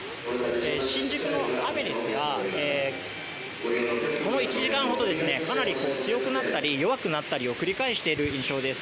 新宿の雨ですが、この１時間ほどかなり強くなったり弱くなったりを繰り返している印象です。